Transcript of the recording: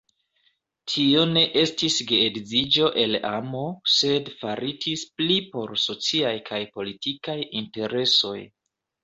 Tio ne estis geedziĝo el amo, sed faritis pli por sociaj kaj politikaj interesoj.